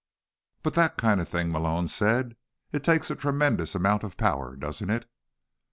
"But that kind of thing," Malone said, "it takes a tremendous amount of power, doesn't it?"